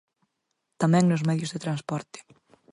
Tamén nos medios de transporte.